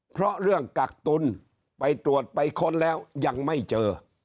เพราะเรื่องกักตุลไปตรวจไปค้นแล้วยังไม่เจอ